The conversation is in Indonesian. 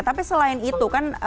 tapi selain itu kan